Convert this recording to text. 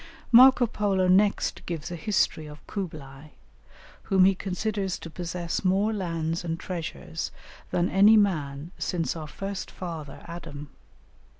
Marco Polo next gives a history of Kublaï, whom he considers to possess more lands and treasures than any man since our first father, Adam.